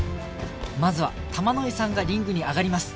まずは玉乃井さんがリングに上がります